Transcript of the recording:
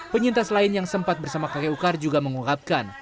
penyintas lain yang sempat bersama kakek ukar juga mengungkapkan